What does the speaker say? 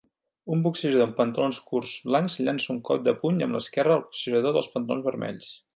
Un boxejador amb pantalons curts blancs llança un cop de puny amb l'esquerra al boxejador dels pantalons vermells.